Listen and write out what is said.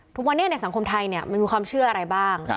ทุกวันนี้ในสังคมไทยมันมีความเชื่ออะไรบ้าง